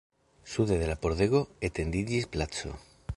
Sude de la pordego etendiĝis placo.